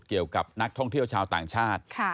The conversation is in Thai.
เกี่ยวกับนักท่องเที่ยวชาวต่างชาติ